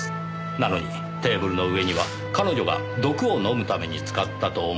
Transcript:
なのにテーブルの上には彼女が毒を飲むために使ったと思われる湯のみだけ。